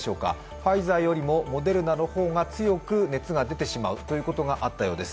ファイザーよりもモデルナの方が強く熱が出てしまうということがあったようです。